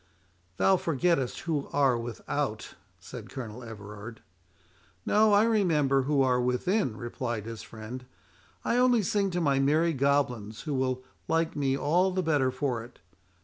— "Thou forgettest who are without," said Colonel Everard. "No—I remember who are within," replied his friend. "I only sing to my merry goblins, who will like me all the better for it.